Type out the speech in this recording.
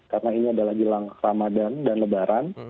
karena ini adalah jilang ramadhan dan lebaran